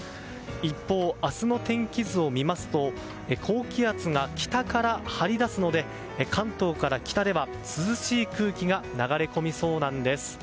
一方、明日の天気図を見ますと高気圧が北から張り出すので関東から北では涼しい空気が流れ込みそうなんです。